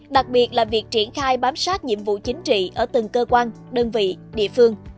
đặc biệt là việc triển khai bám sát nhiệm vụ chính trị ở từng cơ quan đơn vị địa phương